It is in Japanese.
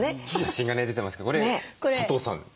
写真がね出てますけどこれ佐藤さん？